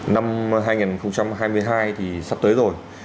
năm hai nghìn hai mươi hai thì sắp tới rồi